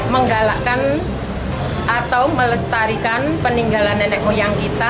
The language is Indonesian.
menggalakkan atau melestarikan peninggalan nenek moyang kita